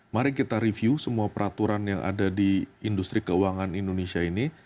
mari kita review semua peraturan yang ada di industri keuangan indonesia ini